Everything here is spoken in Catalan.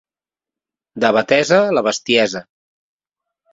De Betesa, la bestiesa.